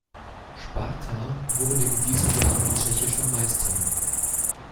Sparta wurde in diesem Jahr tschechischer Meister.